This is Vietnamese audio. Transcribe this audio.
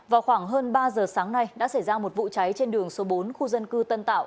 vào khoảng hơn ba giờ sáng nay đã xảy ra một vụ cháy trên đường số bốn khu dân cư tân tạo